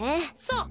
そう。